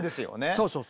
そうそう。